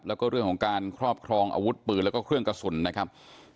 แล้วก็เรื่องของการครอบครองอาวุธปืนแล้วก็เครื่องกระสุนนะครับ